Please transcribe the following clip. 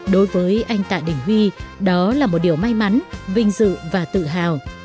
đối với anh tạ đình huy đó là một điều may mắn vinh dự và tự hào